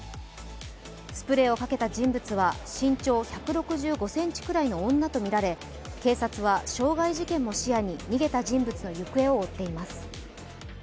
スプレーをかけた人物は身長１６５ｃｍくらいの女とみられ警察は傷害事件も視野に逃げた人物の行方を追っています。